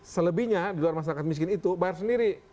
selebihnya di luar masyarakat miskin itu bayar sendiri